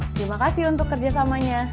terima kasih untuk kerjasamanya